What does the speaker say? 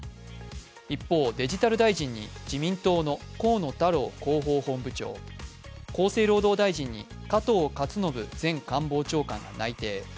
一方、デジタル大臣に自民党の河野太郎広報本部長、厚生労働大臣に加藤勝信前官房長官が内定。